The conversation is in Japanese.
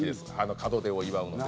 門出を祝うので。